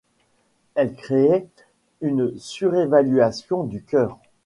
Elle créait une surélévation du chœur.